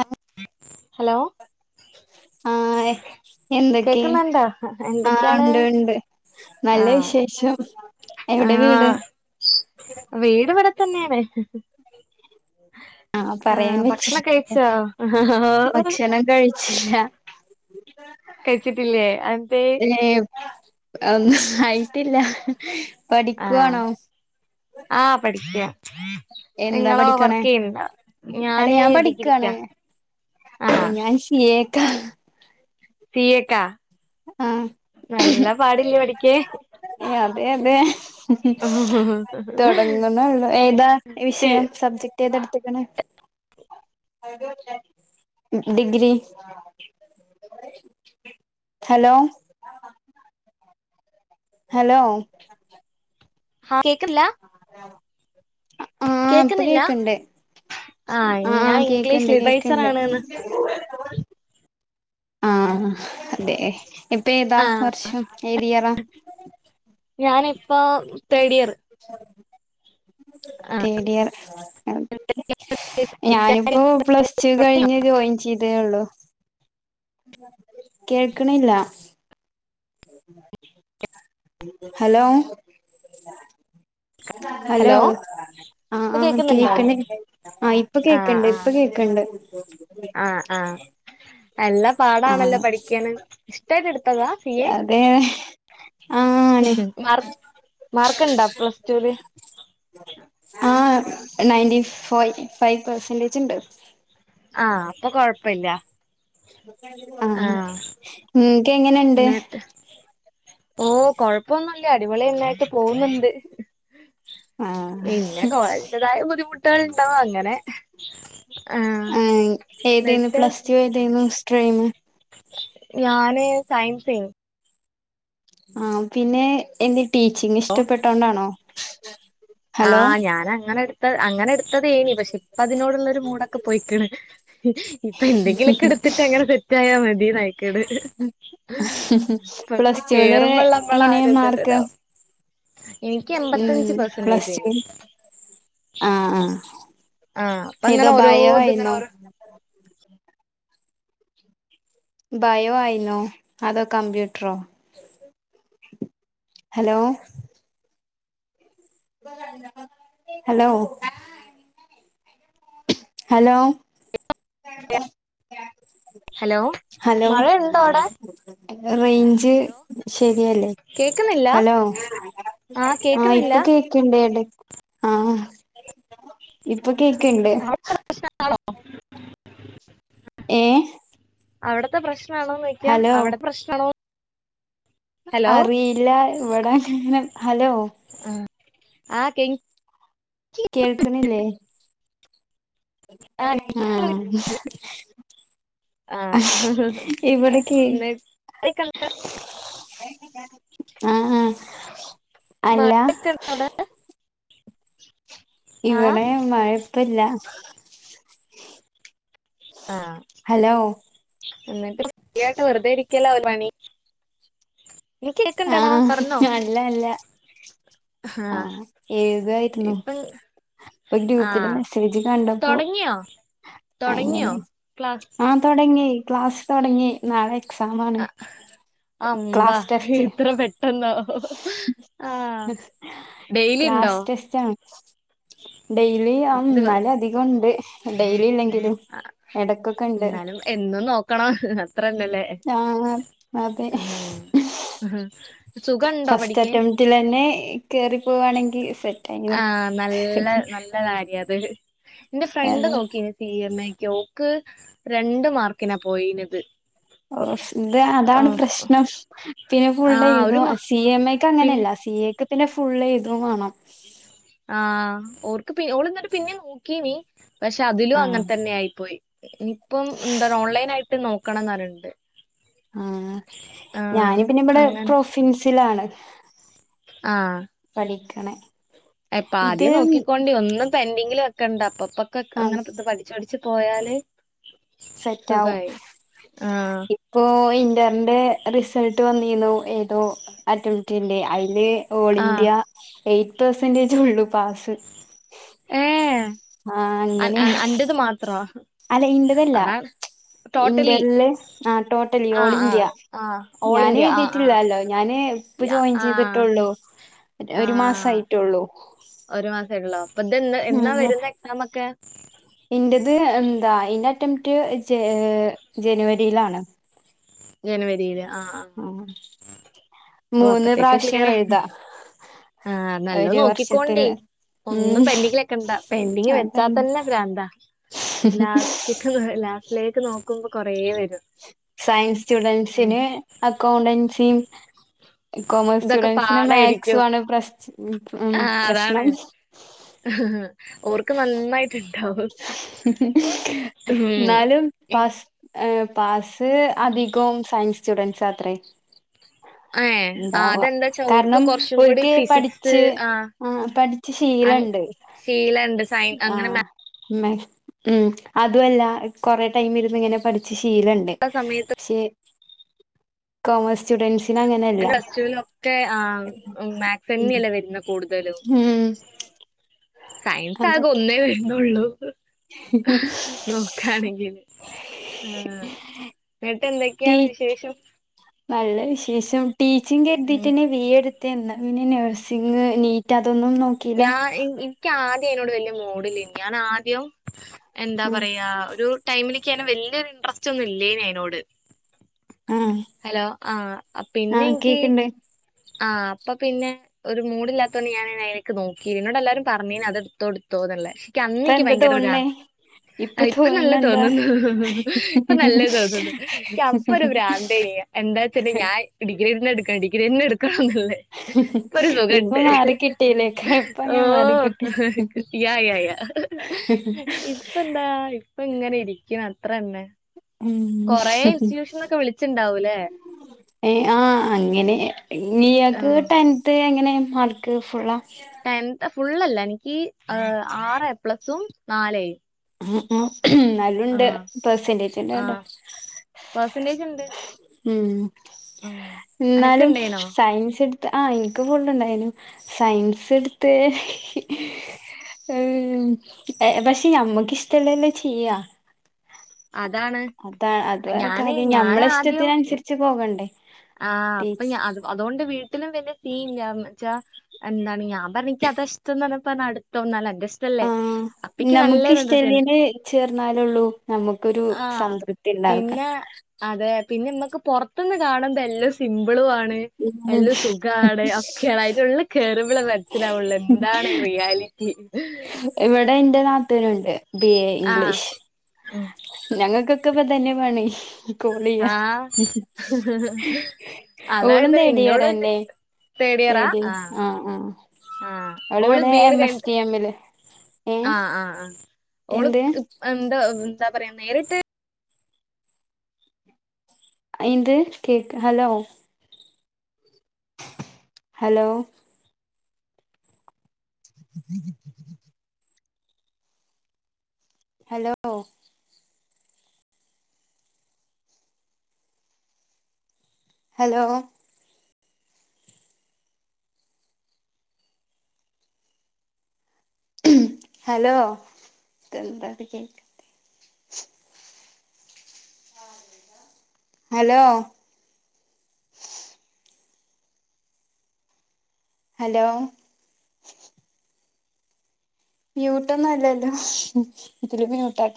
ആഹ് hello ആഹ് എന്തൊക്കെ കേക്കുന്നുണ്ടോ ആഹ് എന്തൊക്കെയാണ് ഉണ്ട് ഉണ്ട് നല്ല ആഹ് വിശേഷം എവിടെ വീട് ആഹ് വീട് വടെ തന്നെണ് ആഹ് ആഹ പറയാൻ പറ്റില്ല ഭക്ഷണക്കെ കഴിച്ചോ ആഹ ഇല്ല കഴിച്ചിട്ടില്ലേ അതെന്തേ ഏഹ് ഒന്നും ആയിട്ടില്ല ആഹ പഠിക്കുവാണോ ആഹ് പഠിക്ക എന്താ നിങ്ങളൊ പഠിക്കണേ വർക്ക്യ്യുണ്ടോ അല്ല ഞാന് ഡിഗ്രിക്ക ആ ഞാൻ സി എ ക്കാ സീയക്കാ ആഹ് നല്ല പാടില്ലേ പഠിക്കാൻ അതെ അതെ തുടങ്ങുന്നുള്ളൂ ഏതാ വിഷയം സബ്ജക്ട് ഏതെടുത്തക്കാണ് ഡിഗ്രി ഹലോ ഹലോ ആഹ് കേക്കില്ല ആ അത ആഹ ഇപ്പൊ കേക്കുന്നില്ല കേക്കണ്ട് ആ ഞാൻ ആഹ് ഇംഗ്ലീഷ് കേക്കണ്ട് ലിറ്ററേച്ചർ കേക്കണ്ട് ആണ്ന്ന് ആഹ അതെ എപ്പ ഏതാ ആഹ് വർഷം എഏതിയറാ ഞാനിപ്പോ തേർഡ് ഇയർ [inaudible] ആഹ് തേടിയർക്കെ ഞാനിപ്പോ പ്ലസ് ടു കഴിഞ്ഞ് ജോയിൻ ചെയ്തേ ഉള്ളൂ കേൾക്കണില്ല ഹലോ ഹലോ ആഹ ഇപ്പൊ ആ കേക്കുന്നുണ്ടോ കേക്കണ്ട ആ ഇപ്പ കേക്കണ്ട് ഇപ്പൊ കേക്കണ്ട് ആഹ ആഹ നല്ലാ പാടാണല്ലോ ആഹ് പഠിക്കാണ് ഇഷ്ടമായിട്ട് എടുത്തതാ സി എ അതേ മാർക്ക് മാർക്ക് ഇണ്ടാ പ്ലസ് ടുല് ആ നയന്റി ഫോ ഫൈവ് പെർസെന്റേജ് ഉണ്ട് ആഹ അപ്പൊ കൊഴപ്പമില്ല ആഹ നിനക്ക് എങ്ങനെണ്ട് എന്നിട്ട് ഓ കൊഴപ്പൊന്നുംല്ല അടിപൊളി എല്ലായിട്ട് പോകുന്നുണ്ട് ആഹ് പിന്നെ കോളേജ് ന്റെതായ ബുദ്ധിമുട്ടുകൾ ണ്ടാവോ അങ്ങനെ ആഹ് ഏതായിുന്നു എന്നിട്ട് പ്ലസ് ടു ഏതായിുന്നു സ്ട്രെയിം ഞാന് സയൻസേഞ് ആഹ് പിന്നെ എന്റെ ടീച്ചിങ് ഇഷ്ടപ്പെട്ടോണ്ടാണോ ഹലോ ആഹ് ഞാന അങ്ങനെ എടുത്ത അങ്ങനെ എടുത്തതേഞ് പക്ഷെ ഇപ്പ അതിനോടുള്ളൊരു മൂടൊക്കെ പോയിക്കണ് ഇപ്പൊ എന്തെങ്കിലൊക്കെ എടുത്തിട്ട് അങ്ങനെ സെറ്റ് ആയാ മതിനയ്ക്ണ് പ പ്ലസ് ടുല് കേറുമ്പള്ള എങ്ങനെ മാർക്ക് നമ്മളാര്ണ്ടല്ലോ എനിക്ക് ഉം എമ്പത്തഞ്ച് പെർസെന്റേ പ്ലസ് ടു ആഹ് ആഹ് ആഹ് അപ്പങ്ങനെ ഏതോ ഓരോ ബയോ ഇത്ങ്ങനെ ഓരോ [unintelligible] ഭയോ ആയിന്നോ അതോ കമ്പ്യൂട്ടറോ hello hello hello hello hello മഴയുണ്ടോ അവിടെ റേ ന്ജ് ശരിയല്ലേ കേക്കുന്നില്ല ഹലോ ആഹ് ഇപ്പൊ കേ ക്ണ്ടേട് ആഹ് ഇപ്പൊ കേക്ണ്ട് [unintelligible] ഏഹ് അവിടത്തെ പ്രശ്ന ആണോ നോയ്ക്കാ ഹലോ അവിടെ പ്രശ്നണോ അറിയില്ല ഇവിടെനും ഹലോ ഉം ആഹ് കേ കേൾക്ണില്ലേ ആഹ് ആഹ് ഇവട്കേ എന്നിട്ട് ആഹ് ആഹ് അല്ല [inaudible] ആഹ് ഇവിടെ മഴപ്പല്ല ആഹ് ഹലോ എന്നിട്ട് ശരിയായിട്ട് വെറുതെ ഇരിക്കല്ലോ പണി നികേക്ണ്ടാടാ ആഹ് പറഞ്ഞോ അല്ല അല്ല ആഹ് എഴുതായിരുന്നു ഇപ്പം പ്പ ഗ്രൂപ്പില് ആഹ് മെസ്സേജ് കണ്ടപ്പോ തൊടങ്ങിയോ തൊടങ്ങിയോ അങ്ങനെ ക്ലാസ് ആഹ് തുടങ്ങി ക്ലാസ് തുടങ്ങി നാളെ എക്സാം ആണ് അമ്പാ എത്ര പെട്ടെന്നോ ആഹ് ഡെയിലി ഇണ്ടോ ക്ലാസ് ടെസ്റ്റ് ആണ് ഡെയിലി ആഹ് ദിവ ന്നാല അധികംണ്ട് ഡെയ്ലി ഇല്ലെങ്കിലും ഇടക്കൊക്കെണ്ട് എന്നാലും എന്നും നോക്കണം അത്രന്നല്ലേ ആഹ് അതെ ആഹ് സുഖണ്ടോ ഫസ്റ്റ് പഠിക്കാൻ അറ്റംറ്റിൽ തന്നെ കേറി പോവാണെങ്കി സെ ആഹ് നല്ല നല്ലകാര്യ അത് എന്റെ ഫ്രണ്ട് അത് നോക്കിനി സി എം എക്ക് ഓ ക്ക് രണ്ട് മാർക്കിനാ പോയിനത് ഓഫ് ഇത് അതാണ് ആഹ് പ്രശ്നം പിന്നെ ഫുള്ള് ആഹ് ഒരു എഴുതും മാ സി എം ക്ക് പിന്നെ അങ്ങനെയല്ല സി എക് പിന്നെ ഫുള്ള് എയ്തും വാണം ആഹ് ഓർക്ക് പി ഓള്ന്നിട്ട് പിന്നിം നോക്കീനീ പക്ഷെ അതിലും ആഹ് അങ്ങൻതന്നെ ആയി പോയി ഇനിപ്പം എന്താണ് ഓൺലൈൻ ആയിട്ട് നോക്കണംന്നറീണ്ട് ആഹ് ഞാന് പിന്നെ ബടെ അങ്ങനെ പ്രൊഫിൻസിലാണ് ആഹ് പഠിക്കണേ എ പ്പാദ്യേ ഇത് നോക്കിക്കൊണ്ടി ഒന്നും പെൻഡിങ്ങില് വെക്കണ്ട അപ്പ പ്പ ക്ക്‌ ആഹ് ക്കങ്ങനെ പഠിച്ചു പഠിച്ച് പോയാല് സുഖായി ആഹ് പ്പോ ഇന്ററിന്റെ റിസൾട്ട് വന്നിന്നു ഏതോ അറ്റുറ്റിന്റെ അയ്ല് ഓൾ ആഹ് ഇന്ത്യ എയ്റ്റ് പേസെന്റേജ് ഒള്ളു പാസ് ആഹ് അങ്ങനേ അത് മാത്രോ അല്ല ഇന്റതല്ല അതാണ് ടോട്ടലി ഇന്ററില് ആഹ് ടോട്ടലി ഓൾ ആഹ് ഇന്ത്യ ആഹ് ആഹ് ഓൾ ഞാന് ഇന്ത്യ ആഹ് ആഹ് എഴുതിറ്റില്ല്യാല്ലോ ഞാന് പ്പൊ യാ ജോയിൻ ആഹ് ചെയ്തിട്ടുള്ളൂ ഒരു ആഹ് മാസായിറ്റൊള്ളൂ ഒരു മാസായിട്ടൊള്ളോ അപ്പൊ ഇത് എന്നാ എന്നാ ഞാ വരുന്ന് എക്സാം ഒക്കെ ഇന്റത് എന്താ ഇന്റെ അറ്റംറ്റ് ജേ ജനുവരിയിലാണ് ജനുവരിയില് ആഹ് ആഹ് ആഹ് ഓ അപ്പത്തേക്ക്‌ ക്ലിയറാ ഉം ആഹ് നല്ലോ ഒരു വർഷത്തിൽ നോക്കിക്കോണ്ടി ഒന്നും ഉം പെൻ ഡിങ്ങ് വെക്കണ്ട പെൻ ഡിങ്ങ് അതാണ് വെച്ചാത്തന്നെ പ്രാന്താ ക്ക്‌ ലാസ്റ്റിലേക്ക് നോക്കുമ്പോ കൊറേ വെരും സയൻസ് സ്റ്റുഡൻസിന് അക്കൗണ്ടെൻസിം കൊമേഴ്സ് ഇതൊക്കെ സ്റ്റുഡൻസിന് മാക്സു പാടായിരിക്കും. ആണ് പ്ര ഉം ആഹ് അതാണ്. പ്രശ്നം ഓർക്ക് നന്നായി ക്ക്‌ണ്ടാവാ ന്നാലും ഏഹ് പസ് ഏ പാസ് അധികോം സയൻസ് സ്റ്റുഡൻസാത്രേ ആഹ് ഉണ്ടാവാ ക അതെന്താച്ചാ ഓർക്ക് കാരണം കൊറച്ചും കൂടി ഒല്ക്ക്‌ ഫിസിക്സ് പഠിച്ച് ആഹ് പഠിച്ച് അൻ ശീലണ്ട് ശീലണ്ട് സയൻ അങ്ങനെ മാ ന്നേ ഉം അതുവല്ല കൊറെ ടൈം ഇരുന്ന് ഇങ്ങനെ പഠിച്ച് ശീലണ്ട് ണ്ട് സമയത്ത് പക്ഷെ കോമേസ് സ്റ്റുഡന്റ്സിനങ്ങനല്ല ക്കെ ആഹ് മാക്സന്നെ അല്ലേ വരുന്നഹ് കൂട് തലും ഉം സയൻസാകെ അതൊക്കെ ഒന്നേ വെര്നൊള്ളൂ നോക്കാണെങ്കില് ആഹ് ടീ ന്നട്ടെന്തൊക്യാണ് വിശേഷം നല്ല വിശേഷം ടീച്ചിങ് ഉം കെര്തീട്ടെന്നെ വി എ എട് ത്തേന്ന് പിന്നെ നഴ്സിംങ്ങ്, നീറ്റതൊന്നും നോ ഞാ ഇൻ ഇക്യാദ്യം അയ്നോട് വല്യെ മൂഡില്ലേയ്നി ഞാനാദ്യം എന്താ ഉം പറയാ ഒരു ടൈമിലിക്കങ്ങനെ വെല്ല്യൊരു ഇൻട്രസ്റ്റ്ന്നും ഇല്ലേയ്നയ്നോട് ആഹ് ഹലോ ആഹ് ആഹ് പിന്നെഇൻക്ക്‌ കേക്കണ്ട് ആഹ് അപ്പൊ പിന്നെ ഒരു മൂഡില്ലാത്തോണ്ട് ഞാനയ് [unintelligible] ക്ക് നോക്കിലാ ഇന്നോടെല്ലാരും പറഞ്ഞീന് അത്ട്ത്തോ ഇട്ത്തോന്ന്ള്ളെ ക്കന്ന് ഇപ്പ ഇൻക്ക് എന്താ ഭയങ്കരൊരു തോന്നണേ ഭ്രാന്ത് ആഹ് ഇപ്പൊ തോന്നണ നല്ലഹ് എന്താ തോന്നുന്നു ഇപ്പൊ നല്ലഹ് തോന്നുന്നു ക്ക്യ അപ്പൊ ഒരു ഭ്രാന്തേയ്നി എന്താച്ച്ട്ടാ ഞാൻ ഡിഗ്രിഎന്നെ ഇട്ക്കണം ഡിഗ്രിയെന്നെ ഇട്ക്കണം ന്ന്ള്ളെ ഇപ്പൊ മാറിക്കിട്ടീല്ലേ കയപ്പങ്ങ് ഓഹ് മാറിക്കിട്ടി ഇപ്പന്താ ഇപ്പം ഇങ്ങനെ ഇരിക്കുന്നു അത്രന്നെ കൊറേ ഉം ഇൻസ്റ്റിറ്റ്യൂഷനൊക്കെ വിളിച്ചിണ്ടാവൂല്ലേ ഏ ആഹ് അങ്ങനെ ഇഞ്ഞ് ഇയാക്ക് ആഹ് ട്ടെൻ ത്തെ എങ്ങനെ മാർക്ക് ഫുള്ള ടെൻത് ഫുള്ളല്ല എനിക്ക് ആറ് എപ്ലസും നാല് എ യും ഉം ഉം നല്ല ഉണ്ട് പെർസെന്റേജ് ഉണ്ടല്ലേ പെർസന്റേജ് ഇണ്ട് ഉം ഉം എന്നാലും അനക്ക്ണ്ടേനോ സയൻസ് എടു ആഹ് ഇൻക്കും ഫുള്ള് ഉണ്ടായിനു സയൻസ് എട്ത്ത് അയ് പക്ഷെ ഞമ്മക്ക് ഇഷ്ട്ടള്ളല്ലേ ചെയ്യാ അതാണ് അതാ അത് വേറെ ഞാന് കാര്യം ഞമ്മളെ ഞാനാദ്യം ഇഷ്ടത്തിന് അനുസരിച്ച് പോകണ്ടേ ആഹ് അപ്പൊ ടീച്ച് ഞ അതുകൊണ്ട് വീട്ടിലും വല്യ സീൻ ഇല്ല എന്ന് വെച്ചാ എന്താണ് ഞാൻ പറഞ്ഞ് ഇൻക്യ അതാ ഇഷ്ടംന്ന് പറഞ്ഞപ്പം എന്നാ അത് എടുത്തോ എന്നാല് എന്റെ ഇ ആഹ നമുക്ക് ഇഷ്ടലീന് ചേർന്നാലൊള്ളൂ നമുക്കൊരു ആഹ് സംതൃപ് ത്തി ഉണ്ടാക പിന്നെ അതെ പിന്നെ നമ്മക്ക് പുറത്തുന്ന് കാണുബ എല്ലാം സിമ്പിളും ആണ് ഉം എല്ല സുഖാണ് ഒക്കയാണ് അയ്ന്റെ ഉള്ള് കേറുമ്പളെ മനസ്സിലാവുള്ളൂ എന്താണ് റിയാലിറ്റി ഇവിടെ ഇന്റെ നാത്തൂനുണ്ട് ബി എ ആഹ് ഇംഗ്ലീഷ് ഉം ഞങ്ങക്കൊക്കെ ഇപ്പ തന്നെ പണി കോള് ചെയ്യാ ആഹ് ഓളും അതായത് തേടി ഇന്നോട് ഇയറെന്നെ തേർഡ് ഇയറാ തേടി ആഹ് ആഹ് ആഹ് ഓള് ബീറ് കഴിഞ്ഞി എമ്മില് ഏ ആഹ് ആഹ് ആഹ് ഓള് എന്ത് എന്താ എന്താ പറയാ നേരിട്ട് ഇന്ത് കേക്ക് hello hello [unintelligible] hello hello hello ഇതെന്താന്ത് കേ ഹലോ ഹലോ മ്യൂട്ട് ഒന്നും അല്ലല്ലോ ഇതില് മ്യൂട്ട ആക്കാം